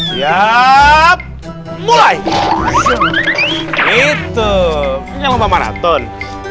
siap mulai itu nyoba maraton